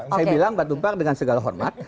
saya bilang pak tumpang dengan segala hormat